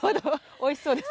おいしそうですか？